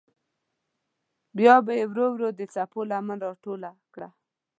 بیا به یې ورو ورو د څپو لمن راټوله کړه.